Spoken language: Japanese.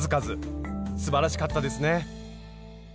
すばらしかったですね。